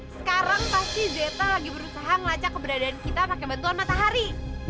sekarang pasti zeta lagi berusaha ngelacak keberadaan kita pakai bantuan matahari